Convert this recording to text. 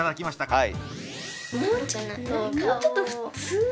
はい。